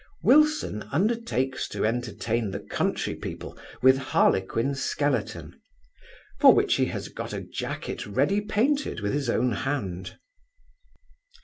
Wilson undertakes to entertain the country people with Harlequin Skeleton, for which he has got a jacket ready painted with his own hand.